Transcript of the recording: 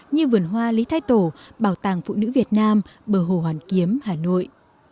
như vườn hoa lý thái tổ bảo tàng phụ nữ việt nam bờ hồ hoàn kiếm hà nội